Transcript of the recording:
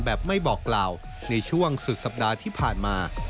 แบบไม่บอกกล่าวในช่วงสุดสัปดาห์ที่ผ่านมา